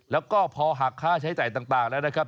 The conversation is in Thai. แล้วก็พอหักค่าใช้จ่ายต่างแล้วนะครับ